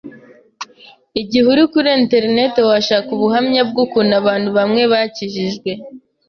Igihe uri kuri internet washaka ubuhamya bw’ukuntu abantu bamwe bakijijwe